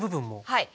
はい。